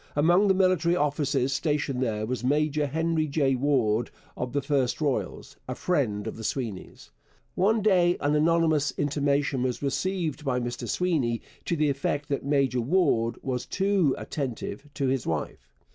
Among the military officers stationed there was Major Henry J. Warde of the 1st Royals, a friend of the Sweenys. One day an anonymous intimation was received by Mr Sweeny to the effect that Major Warde was too attentive to his wife.